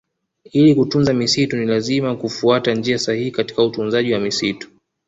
Ili kutunza misitu ni lazima kufuata njia sahihi katika utunzaji wa misitu